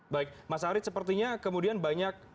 baik mas haris sepertinya kemudian banyak mengetahui